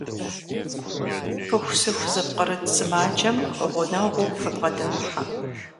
Пыхусыху зыпкъырыт сымаджэм гъунэгъуу фыбгъэдэмыхьэ.